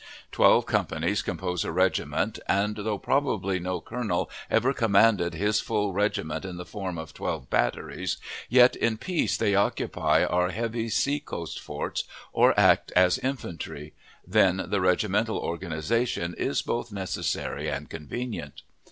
Twelve companies compose a regiment, and, though probably no colonel ever commanded his full regiment in the form of twelve batteries, yet in peace they occupy our heavy sea coast forts or act as infantry; then the regimental organization is both necessary and convenient.